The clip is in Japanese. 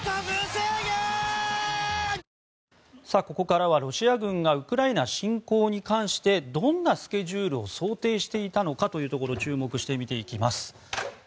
ここからはロシア軍がウクライナ侵攻に関してどんなスケジュールを想定していたのかというところに注目して見ていきます。